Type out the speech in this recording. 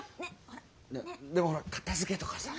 でもほら片づけとかさ。